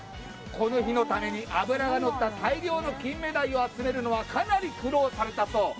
この日のために脂がのった大量のキンメダイを集めるのはかなり苦労されたそう。